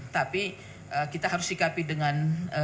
tapi kita harus sikapi dengan